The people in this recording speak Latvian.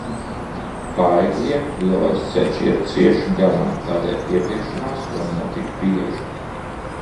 Paegļiem lielais ceļš iet cieši garām, tādēļ iepirkšanās var notikt bieži.